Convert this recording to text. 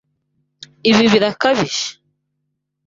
Ibi birakabije!